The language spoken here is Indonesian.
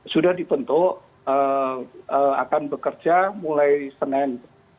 sudah dibentuk akan bekerja mulai senin